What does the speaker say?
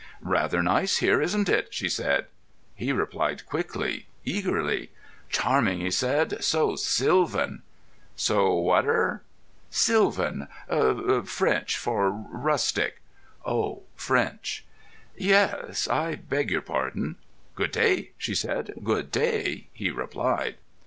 "Rather nice here, isn't it?" she said. He replied quickly, eagerly. "Charming!" he said. "So sylvan." "So whater?" "Sylvan. French for rustic." "Oh, French!" "Yes; I beg your pardon." "Good day!" she said. "Good day!" he replied.